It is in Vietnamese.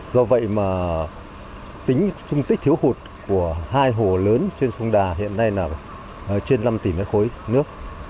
do vậy mà tính chung tích thiếu hụt của hai hồ lớn trên sông đà hiện nay là trên năm tỷ mét khối nước